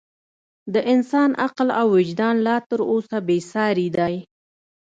د انسان عقل او وجدان لا تر اوسه بې ساري دی.